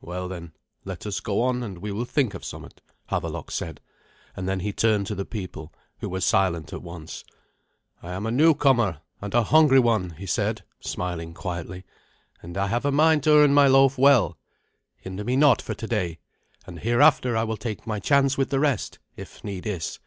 "Well, then, let us go on, and we will think of somewhat," Havelok said; and then he turned to the people, who were silent at once. "I am a newcomer, and a hungry one," he said, smiling quietly, "and I have a mind to earn my loaf well. Hinder me not for today, and hereafter I will take my chance with the rest, if need is."